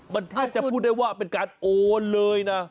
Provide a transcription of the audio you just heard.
มันแทบจะพูดได้ว่าเป็นการโอนเลยนะ